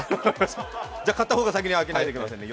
じゃあ、買った方が先に開けないといけないですね。